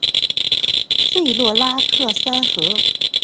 弗洛拉克三河。